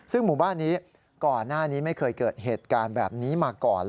ซึ่งหมู่บ้านนี้ก่อนหน้านี้ไม่เคยเกิดเหตุการณ์แบบนี้มาก่อน